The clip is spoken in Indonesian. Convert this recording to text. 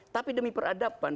tapi demi peradaban